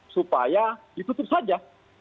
supaya ditutup saja